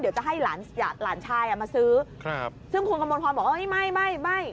เดี๋ยวจะให้หลานชายแล้วมาซื้อซึ่งคุณกระมวลพรบอกว่าไม่